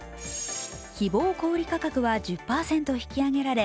希望小売価格は１０％引き上げれ